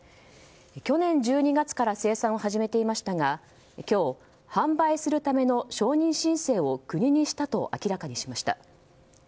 去年１２月から生産を始めていましたが今日、販売するための承認申請を国にしたと明らかにしました。